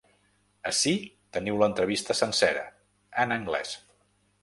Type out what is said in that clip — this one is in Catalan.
Ací teniu l’entrevista sencera, en anglès.